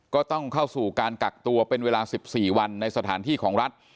ก็ต้องเข้าสู่การกักตัวเป็นเวลา๑๔วันในสถานที่ของรัฐ